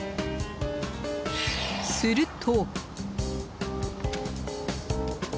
すると。